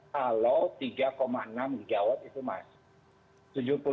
kalau tiga enam gigawatt itu masuk